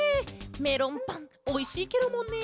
メロンパンおいしいケロもんね！